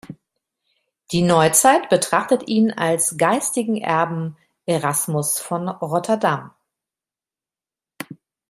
Die Neuzeit betrachtet ihn als geistigen Erben Erasmus’ von Rotterdam.